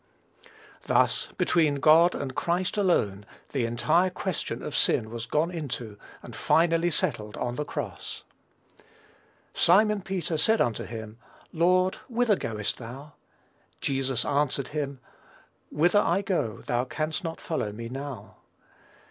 Thus, between God and Christ alone the entire question of sin was gone into, and finally settled on the cross. "Simon Peter said unto him, Lord whither goest thou? Jesus answered him, Whither I go thou canst not follow me now."